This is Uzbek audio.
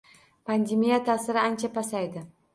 Pandemiya ta’siri ancha pasaydi.